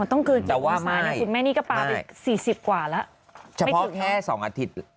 มันต้องเกลียดอุตสานคุณแม่นี่กระเป๋าอีก๔๐กว่าแล้ว